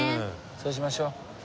そうしましょう。